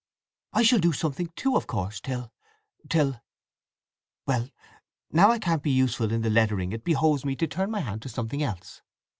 "I shall do something too, of course, till—till— Well, now I can't be useful in the lettering it behoves me to turn my hand to something else."